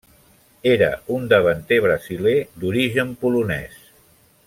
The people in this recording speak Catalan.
Era un davanter brasiler d'origen polonès.